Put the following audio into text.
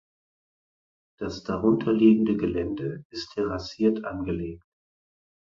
Das darunterliegende Gelände ist terrassiert angelegt.